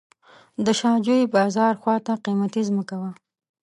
د شاه جوی بازار خواته قیمتي ځمکه وه.